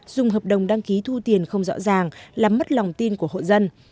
dùng hợp đồng đăng ký thu tiền không rõ ràng làm mất lòng tin của hộ dân